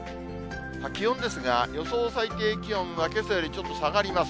気温ですが、予想最低気温はけさよりちょっと下がります。